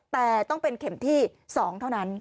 แต่ต้องเป็นเข็มที่๒เท่านั้น